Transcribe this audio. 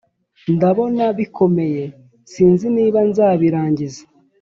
Ndabona bikomeye sinzi nimba nzabirangiza